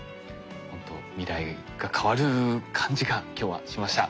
ほんと未来が変わる感じが今日はしました。